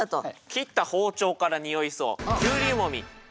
切った包丁からにおいそう。